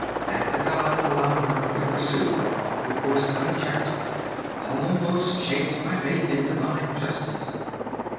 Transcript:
That the gods allow her to pursue her awful course unchecked almost shakes my faith in divine justice.